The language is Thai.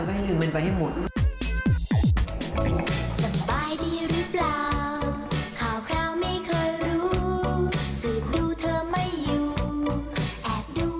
ขอบคุณพี่จิ๊กด้วยโอ้โฮค่ะขอบคุณค่ะ